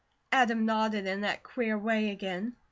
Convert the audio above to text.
Adam nodded in that queer way again.